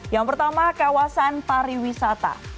yang pertama kawasan pariwisata